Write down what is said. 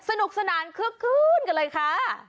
สนุกสนานขึ้นขึ้นกันเลยค่ะ